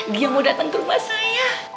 dia mau datang ke rumah saya